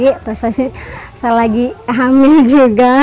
bilangnya ya itu mbak sari saya lagi hamil juga